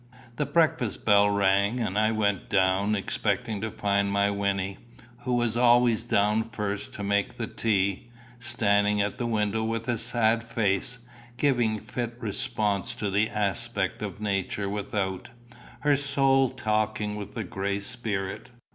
The breakfast bell rang, and I went down, expecting to find my Wynnie, who was always down first to make the tea, standing at the window with a sad face, giving fit response to the aspect of nature without, her soul talking with the gray spirit.